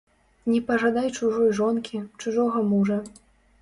Не пажадай чужой жонкі, чужога мужа.